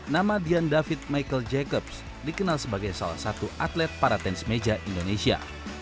nama dian david michael jacobs dikenal sebagai salah satu atlet para tenis meja indonesia